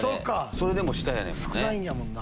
それでも下やねんもんね。